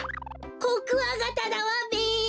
コクワガタだわべ！